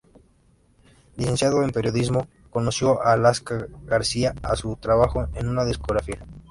Licenciado en periodismo, conoció a Alaska gracias a su trabajo en una discográfica.